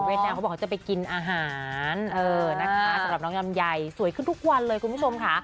เขาบอกเขาจะไปกินอาหารนะคะสำหรับน้องลำไยสวยขึ้นทุกวันเลยคุณผู้ชมค่ะ